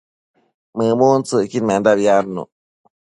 mëmuntsëcquidmendabi adnuc